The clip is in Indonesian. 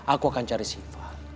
aku akan cari syifa